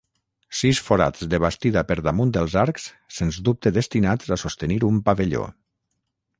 Sis forats de bastida per damunt dels arcs, sens dubte destinats a sostenir un pavelló.